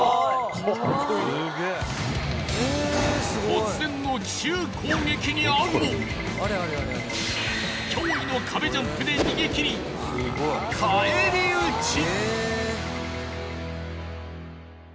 ［突然の奇襲攻撃に遭うも驚異の壁ジャンプで逃げ切り返り討ち］